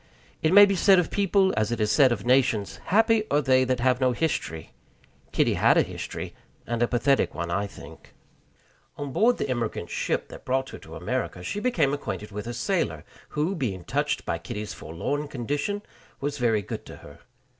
It may be said of people, as it is said of nations, "Happy are they that have no history." Kitty had a history, and a pathetic one, I think. On board the emigrant ship that brought her to America, she became acquainted with a sailor, who, being touched by Kitty's forlorn condition, was very good to her.